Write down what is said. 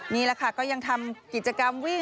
นี่แหละค่ะก็ยังทำกิจกรรมวิ่ง